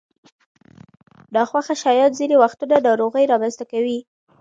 ناخوښه شیان ځینې وختونه ناروغۍ رامنځته کوي.